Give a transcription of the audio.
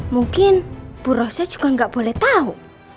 mungkin bu rosa juga gak boleh tau